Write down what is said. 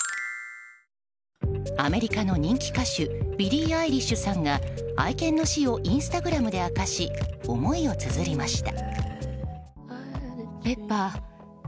アメリカの人気歌手ビリー・アイリッシュさんが愛犬の死をインスタグラムで明かし思いをつづりました。